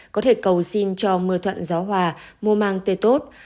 có thể cầu xin cho mưa thuận gió hòa mùa mang tên tốt